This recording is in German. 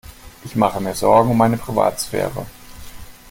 Ich mache mir Sorgen um meine Privatsphäre.